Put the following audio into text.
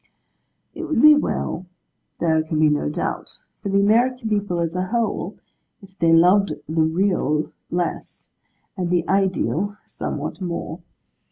It would be well, there can be no doubt, for the American people as a whole, if they loved the Real less, and the Ideal somewhat more.